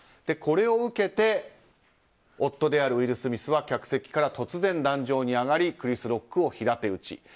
これを受けて夫であるウィル・スミスは客席から突然壇上に上がりクリス・ロックを平手打ち。